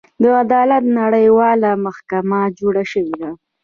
د عدالت نړیواله محکمه جوړه شوې ده.